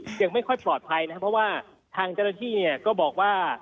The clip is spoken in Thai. ยังไม่ค่อยปลอดภัยนะครับเพราะว่าทางเจรจิก็บอกว่า